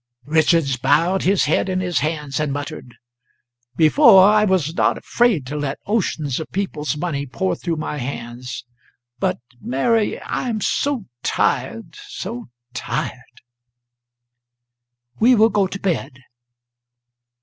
Richards bowed his head in his hands and muttered: "Before I was not afraid to let oceans of people's money pour through my hands, but Mary, I am so tired, so tired " "We will go to bed."